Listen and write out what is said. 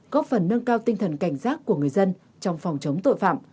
góp phần nâng cao tinh thần cảnh giác của người dân trong phòng chống tội phạm